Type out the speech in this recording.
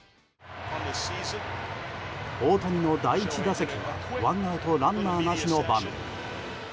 大谷の第１打席はワンアウトランナーなしの場面。